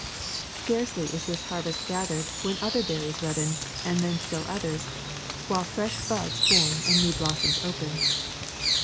Scarcely is this harvest gath ered when other berries redden, and then still others, while fresh buds form and new blossoms open.